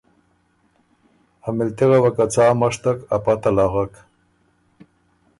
ا مِلتغ وه که څا مشتک ا پته ل اغک